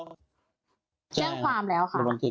ฝ่ายทันบดเข้ามาดูไหม